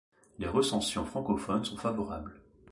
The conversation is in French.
Les recensions francophones sont favorables.